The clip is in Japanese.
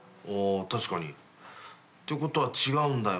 確かに。ってことは違うんだよな。